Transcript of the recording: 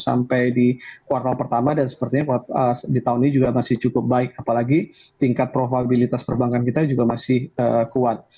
sampai di kuartal pertama dan sepertinya di tahun ini juga masih cukup baik apalagi tingkat probabilitas perbankan kita juga masih kuat